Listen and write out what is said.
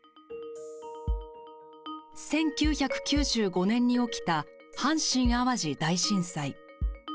１９９５年に起きた阪神・淡路大震災。